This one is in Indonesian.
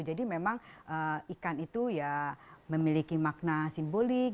jadi memang ikan itu memiliki makna simbolik